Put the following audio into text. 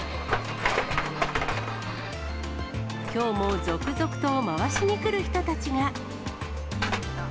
きょうも続々と回しに来る人たちが。